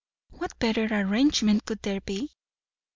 What better arrangement could there be?